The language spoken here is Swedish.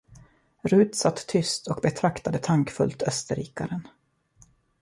Rut satt tyst och betraktade tankfullt österrikaren.